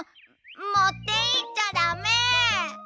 もっていっちゃだめ！